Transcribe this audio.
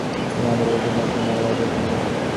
মেয়েটি আদর-যত্নের একটি মেলা বাধিয়ে ফেলল।